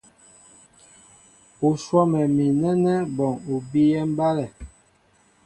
U swɔ́mɛ mi nɛ́nɛ́ bɔŋ u bíyɛ́ mbálɛ.